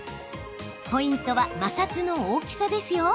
ポイントは摩擦の大きさですよ。